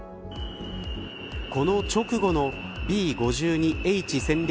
この直後のＢ‐５２Ｈ戦略